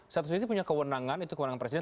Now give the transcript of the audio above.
satu sisi punya kewenangan itu kewenangan presiden